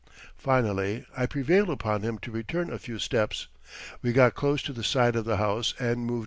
Finally I prevailed upon him to return a few steps. We got close to the side of the house and moved back.